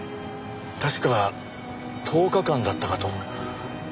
確か１０日間だったかと。